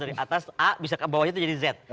dari atas a bawahnya bisa jadi z